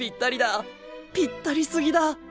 ぴったりすぎだ。